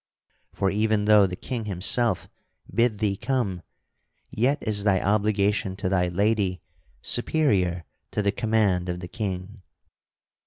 For, even though the King himself bid thee come, yet is thy obligation to thy lady superior to the command of the King.